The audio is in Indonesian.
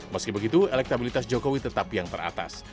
meski begitu elektabilitas jokowi tetap yang teratas